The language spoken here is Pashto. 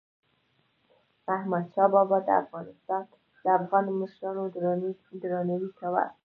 احمدشاه بابا د افغان مشرانو درناوی کاوه.